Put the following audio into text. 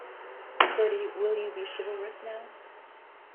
Bertie, will you be chivalrous now?